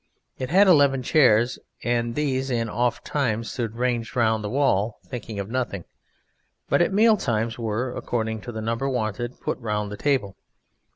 It had eleven chairs, and these in off times stood ranged round the wall thinking of nothing, but at meal times were (according to the number wanted) put round the table.